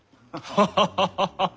ハハハハハハ！